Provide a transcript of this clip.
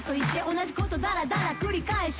同じことダラダラ繰り返し）